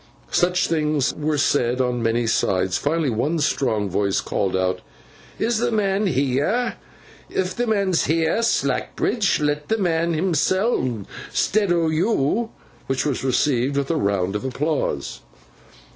Such things were said on many sides. Finally, one strong voice called out, 'Is the man heer? If the man's heer, Slackbridge, let's hear the man himseln, 'stead o' yo.' Which was received with a round of applause.